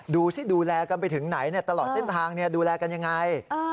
ดูสิดูแลกันไปถึงไหนตลอดเส้นทางดูแลกันยังไง